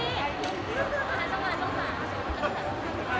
เอาเรื่องต่อไป